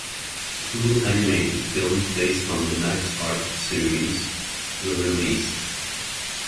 Two animated films based on the "Max Heart" series were released.